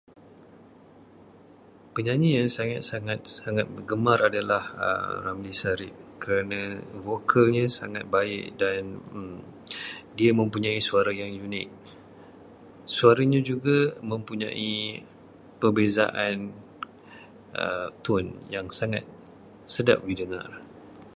Penyanyi yang saya sangat gemar adalah Ramli Sarip kerana vokalnya sangat baik dan dia mempunyai suara yang unik. Suaranya juga mempunyai perbezaan tone yang sangat sedap didengar.